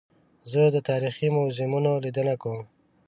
زه د تاریخي موزیمونو لیدنه کوم.